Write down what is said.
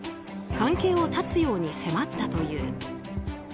関係を絶つように迫ったという。